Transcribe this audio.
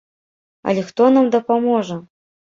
Але хто нам дапаможа?